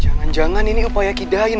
jangan jangan ini opo yakidahin